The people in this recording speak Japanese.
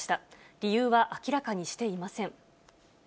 理由は明らかにしていません。